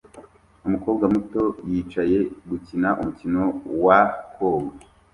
Umukobwa muto yicaye gukina umukino wa koga